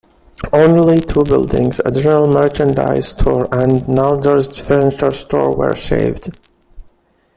Only two buildings, a general merchandise store and Nalder's furniture store, were saved.